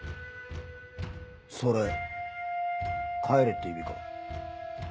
それ帰れって意味か？